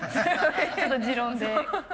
ちょっと持論で。